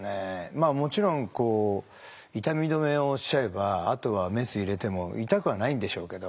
まあもちろん痛み止めをしちゃえばあとはメス入れても痛くはないんでしょうけど。